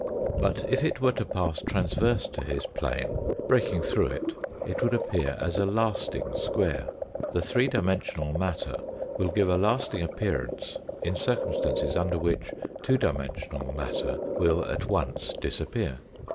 But if it were to pass transverse to his plane, breaking through it, it would appear as a lasting square. The three dimensional matter will give a lasting appearance in circumstances under which two dimensional matter will at once disappear.